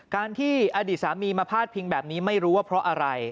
การที่อดีตสามีมาพาดพิงแบบนี้ไม่รู้ว่าเพราะอะไร